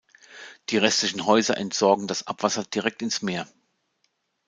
Die restlichen Häuser entsorgen das Abwasser direkt ins Meer.